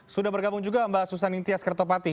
sudah bergabung juga mbak susan intias kertopati